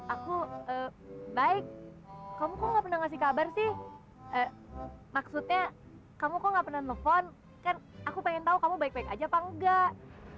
aku baik kamu kok nggak pernah ngasih kabar sih maksudnya kamu kok nggak pernah nelfon kan aku pengen tahu kamu baik baik aja apa enggak